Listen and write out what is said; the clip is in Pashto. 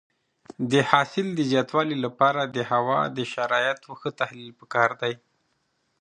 د حاصل د زیاتوالي لپاره د هوا د شرایطو ښه تحلیل پکار دی.